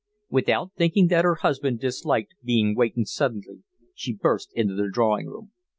Without thinking that her husband disliked being wakened suddenly, she burst into the drawing room.